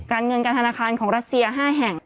การเงินการธนาคารของรัสเซีย๕แห่ง